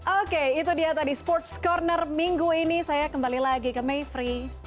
oke itu dia tadi sports corner minggu ini saya kembali lagi ke mayfrey